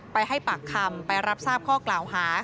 ไปให้ปากคำไปรับทราบข้อกล่าวหา